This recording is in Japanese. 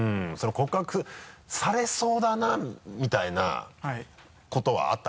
「告白されそうだな」みたいなことはあった？